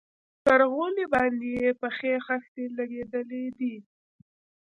پر غولي باندې يې پخې خښتې لگېدلي دي.